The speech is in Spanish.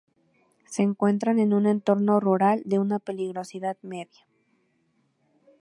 Se encuentran en un entorno rural de una peligrosidad media.